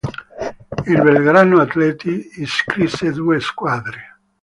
Il Belgrano Athletic iscrisse due squadre.